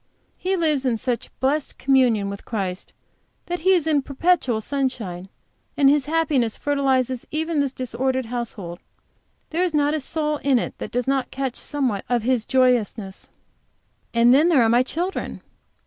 He lives in such blessed communion with Christ that he is in perpetual sunshine, and his happiness fertilizes even this disordered household; there is not a soul in it that does not catch somewhat of his joyousness. And there are my children!